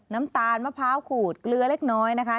น้ำตาลมะพร้าวขูดเกลือเล็กน้อยนะคะ